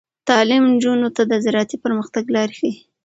تعلیم نجونو ته د زراعتي پرمختګ لارې ښيي.